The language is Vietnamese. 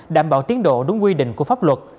đảm bảo tiến độ đúng quy định của pháp luật